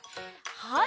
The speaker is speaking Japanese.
はい！